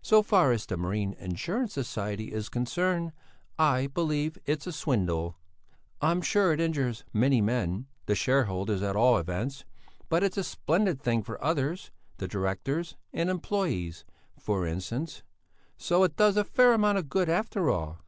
So far as the Marine Insurance Society is concerned, I believe it's a swindle! I'm sure it injures many men, the shareholders at all events, but it's a splendid thing for others, the directors and employés, for instance; so it does a fair amount of good, after all."